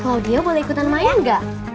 kalau dia boleh ikutan maya enggak